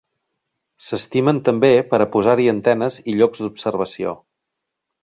S'estimen també per a posar-hi antenes i llocs d'observació.